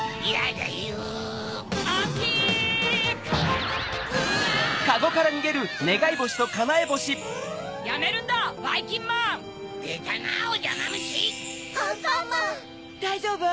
だいじょうぶ？